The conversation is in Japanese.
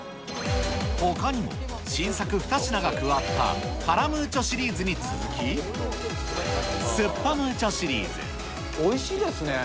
ほかにも新作２品が加わったカラムーチョシリーズに続き、おいしいですね。